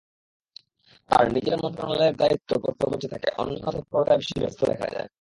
তাঁর নিজের মন্ত্রণালয়ের দায়িত্ব-কর্তব্যের চেয়ে তাঁকে অন্যান্য তৎপরতায় বেশি ব্যস্ত দেখা যায়।